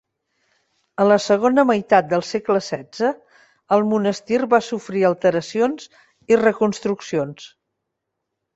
A la segona meitat del segle XVI el monestir va sofrir alteracions i reconstruccions.